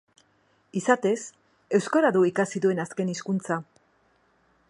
Izatez, euskara du ikasi duen azken hizkuntza.